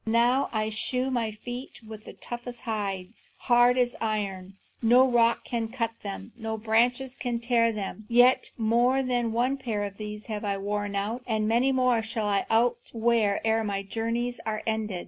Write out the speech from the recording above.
Now I shoe my feet with the toughest hides, hard as iron; no rock can cut them, no branches can tear them. Yet more than one pair of these have I outworn, and many more shall I outwear ere my journeys are ended.